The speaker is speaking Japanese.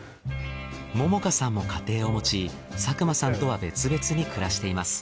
百夏さんも家庭を持ち作間さんとは別々に暮らしています。